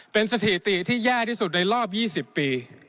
เป็นสถิติที่แย่ที่สุดในรอบ๒๐ปี